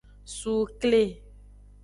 Sukle.